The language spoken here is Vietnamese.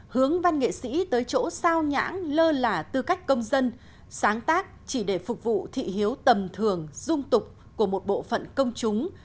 hướng văn nghệ sĩ tới chỗ sao nhãn lơ là tư cách công dân sáng tác chỉ để phục vụ thị hiếu tầm thường dung tục của một bộ phận công chúng